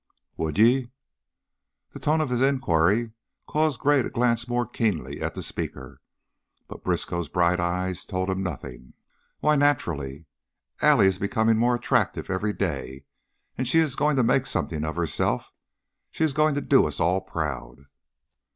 "Would ye?" The tone of this inquiry caused Gray to glance more keenly at the speaker, but Briskow's bright eyes told him nothing. "Why, naturally. Allie is becoming more attractive every day, and she is going to make something of herself. She is going to 'do us all proud.'"